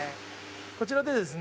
こちらでですね